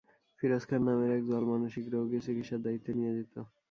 ফিরোজ খান নামের এক জল মানসিক রোগীর চিকিৎসার দায়িত্বে নিয়োজিত।